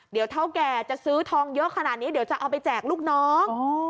เดี๋ยวเท่าแก่จะซื้อทองเยอะขนาดนี้เดี๋ยวจะเอาไปแจกลูกน้อง